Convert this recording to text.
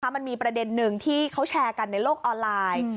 มันมีประเด็นหนึ่งที่เขาแชร์กันในโลกออนไลน์